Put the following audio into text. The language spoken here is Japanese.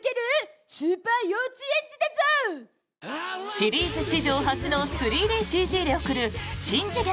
シリーズ史上初の３ＤＣＧで送る「しん次元！